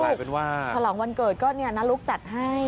กลายเป็นว่าพลังวันเกิดก็น้าลุ๊กจัดให้